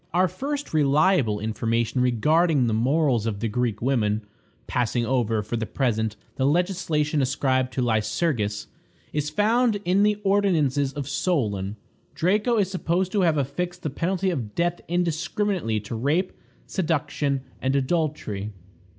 Our first reliable information regarding the morals of the Greek women, passing over, for the present, the legislation ascribed to Lycurgus, is found in the ordinances of Solon. Draco is supposed to have affixed the penalty of death indiscriminately to rape, seduction, and adultery.